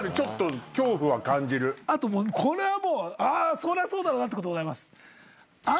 あとこれはそりゃそうだろうなってことございます。